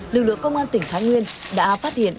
lực lượng công an tỉnh thái nguyên đã phát hiện